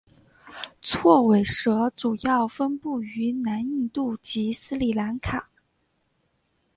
锉尾蛇主要分布于南印度及斯里兰卡。